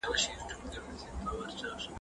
په ښوونځیو کي باید د نجونو حقونه خوندي وي.